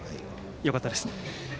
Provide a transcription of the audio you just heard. よかったです。